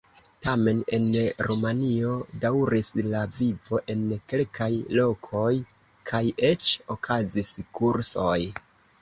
Tamen en Rumanio daŭris la vivo en kelkaj lokoj, kaj eĉ okazis kursoj.